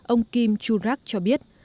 ông kim chul rak cho biết